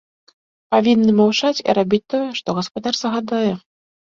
Павінны маўчаць і рабіць тое, што гаспадар загадае.